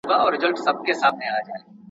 o توري چرگي سپيني هگۍ اچوي.